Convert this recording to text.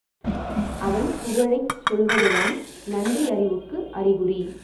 அவன் புகழைச் சொல்வதுதான் நன்றியறிவுக்கு அறிகுறி.